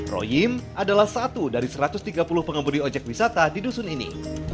royim adalah satu dari satu ratus tiga puluh pengemudi ojek wisata di dusun ini